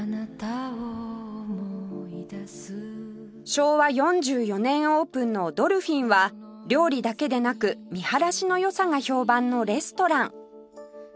昭和４４年オープンのドルフィンは料理だけでなく見晴らしの良さが評判のレストラン